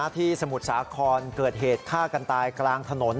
สมุทรสาครเกิดเหตุฆ่ากันตายกลางถนน